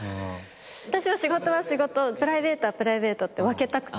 私は仕事は仕事プライベートはプライベートって分けたくて。